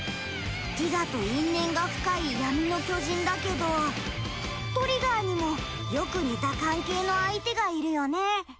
ティガと因縁が深い闇の巨人だけどトリガーにもよく似た関係の相手がいるよね？